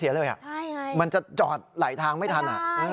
มันจะจอดไหลทางไม่ทัน